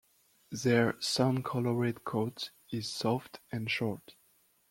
Their sand-colored coat is soft and short.